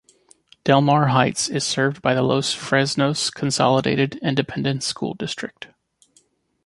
Del Mar Heights is served by the Los Fresnos Consolidated Independent School District.